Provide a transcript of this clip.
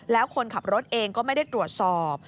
แล้วคนขับรถเองก็ไม่ได้ตรวจสอบ